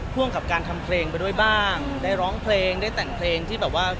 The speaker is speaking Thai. พ่วงกับการทำเพลงไปด้วยบ้างได้ร้องเพลงได้แต่งเพลงที่แบบว่า